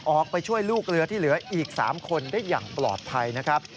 ออกไปช่วยลูกเรือที่เหลืออีก๓คนได้อย่างปลอดภัยนะครับ